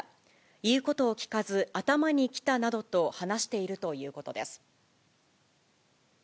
言うことを聞かず、頭にきたなどと、話しているということです。